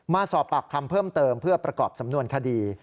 มาสอบปากคำเพิ่มเติมเพื่อประกอบสำนวนคดี